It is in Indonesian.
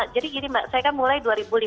jadi gini mbak saya kan mulai dua ribu lima belas